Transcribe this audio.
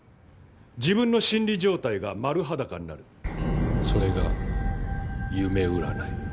自分の心理状態が丸裸になるそれが夢占い。